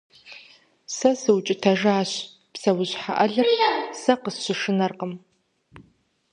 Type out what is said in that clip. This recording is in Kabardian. Сэ сыукӀытэжащ: псэущхьэ Ӏэлыр сэ къысщышынэркъым.